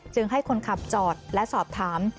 ให้คนขับจอดและสอบถาม